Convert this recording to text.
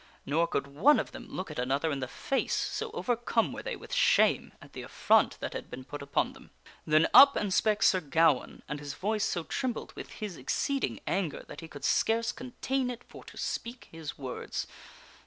Nor could one of them look at another in the face, so overcome were they with shame at the affront that had been put upon them. Then up and spake Sir Gawaine, and his voice so trembled with his exceeding anger that he could scarce The four contain it for to speak his words.